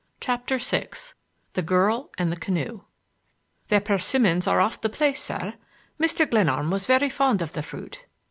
CHAPTER VI THE GIRL AND THE CANOE "The persimmons are off the place, sir. Mr. Glenarm was very fond of the fruit."